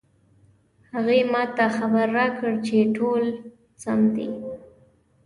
هغې ما ته خبر راکړ چې ټول سم دي